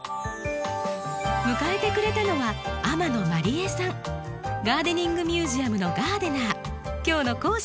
迎えてくれたのはガーデニングミュージアムのガーデナー。